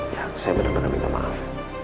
ya saya benar benar minta maaf